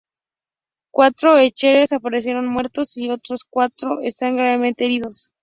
Cuatro rehenes aparecieron muertos y otros cuatro están gravemente heridos.